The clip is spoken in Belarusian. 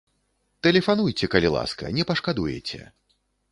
Тэлефануйце, калі ласка, не пашкадуеце!